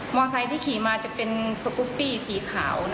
ไซค์ที่ขี่มาจะเป็นสกุปปี้สีขาว